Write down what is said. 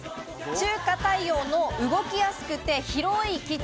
中華太陽の動きやすくて広いキッチン。